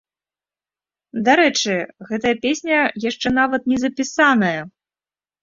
Дарэчы, гэтая песня яшчэ нават не запісаная!